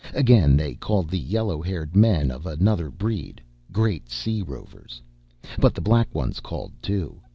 Again, they called the yellow haired men of another breed, great sea rovers. "But the Black Ones called too.